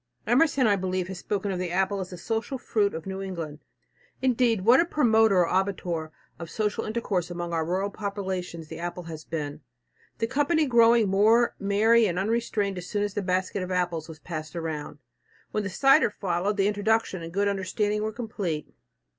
Emerson, I believe, has spoken of the apple as the social fruit of New England. Indeed, what a promoter or abettor of social intercourse among our rural population the apple has been, the company growing more merry and unrestrained as soon as the basket of apples was passed round! When the cider followed, the introduction and good understanding were complete.